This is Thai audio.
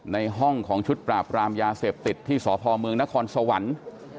ในห้องของชุดปราบรามยาเสพติดที่สพเมืองนครสวรรค์